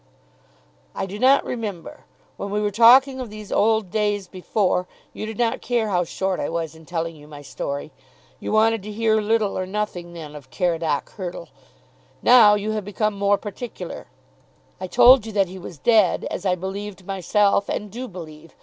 "I do not remember. When we were talking of these old days before, you did not care how short I was in telling my story. You wanted to hear little or nothing then of Caradoc Hurtle. Now you have become more particular. I told you that he was dead, as I believed myself, and do believe.